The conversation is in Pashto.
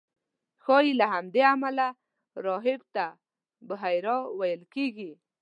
ښایي له همدې امله راهب ته بحیرا ویل کېږي.